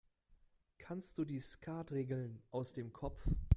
Kannst du die Skatregeln aus dem Kopf?